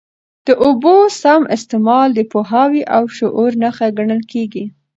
د اوبو سم استعمال د پوهاوي او شعور نښه ګڼل کېږي.